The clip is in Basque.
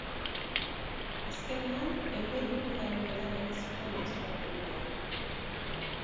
Azkenean, euren ibilgailuetan egin zuten etxerako bidea.